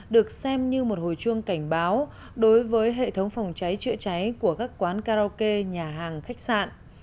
được xem như một hồi chuông cảnh báo đối với hệ thống phòng cháy chữa cháy của các quán karaoke nhà hàng khách sạn